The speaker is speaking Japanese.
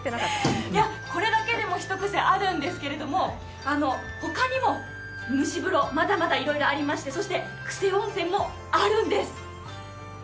これだけでも一癖あるんですけど、他にも蒸し風呂まだまだいろいろありましてそしてクセ温泉もあるんです。